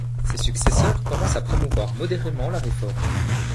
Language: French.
Ses successeurs commencent à promouvoir modérément la réforme.